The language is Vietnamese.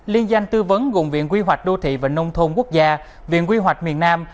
liên danh tư vấn gồm viện quy hoạch đô thị và nông thôn quốc gia viện quy hoạch miền nam